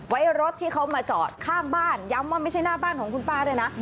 รถที่เขามาจอดข้างบ้านย้ำว่าไม่ใช่หน้าบ้านของคุณป้าด้วยนะ